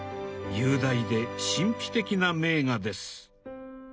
雄大で神秘的な名画です。